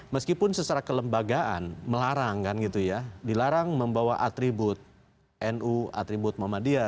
meskipun secara kelembagaan melarang kan gitu ya dilarang membawa atribut nu atribut muhammadiyah